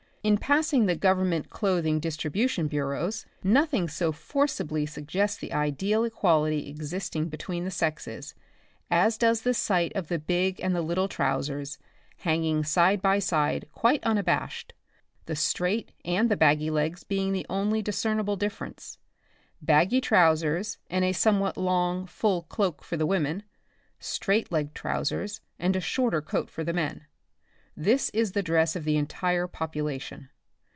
In 36 The Republic of the Future: passing the Government Clothing Distribution Bureaus, nothing so forcibly suggests the ideal equality existing between the sexes, as does the sight of the big and the little trowsers, hanging side by side, quite unabashed, the straight and the baggy legs being the only discernible difference. Baggy trowsers and a somewhat long, full cloak for the women — straight legged trowsers and a shorter coat for the men, this is the dress of the entire population.